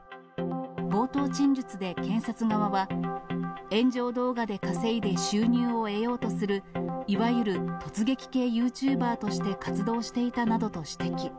冒頭陳述で検察側は、炎上動画で稼いで収入を得ようとする、いわゆる突撃系ユーチューバーとして活動していたなどと指摘。